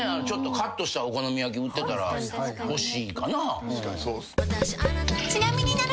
カットしたお好み焼き売ってたら欲しいかな。